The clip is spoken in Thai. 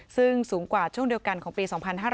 ซึ่งสูงกว่าช่วงเดียวกันของปี๒๕๕๙